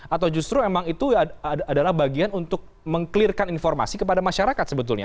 atau justru memang itu adalah bagian untuk meng clearkan informasi kepada masyarakat sebetulnya